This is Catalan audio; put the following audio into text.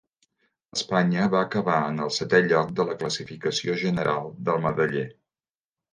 Espanya va acabar en el setè lloc de la classificació general del medaller.